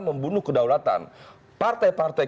membunuh kedaulatan partai partai